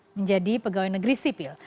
menjadi pegawai negeri sipil